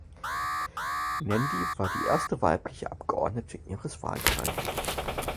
Nandy war die erste weibliche Abgeordnete ihres Wahlkreises.